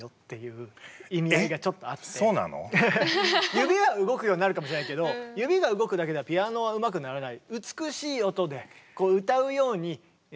指は動くようになるかもしれないけど指が動くだけではピアノはうまくならない。